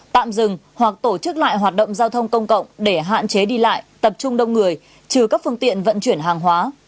tạm dừng hoặc tổ chức lại hoạt động giao thông công cộng để hạn chế đi lại tập trung đông người trừ các phương tiện vận chuyển hàng hóa